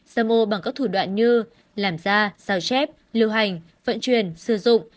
sơ mô bằng các thủ đoạn như làm ra sao chép lưu hành vận chuyển sử dụng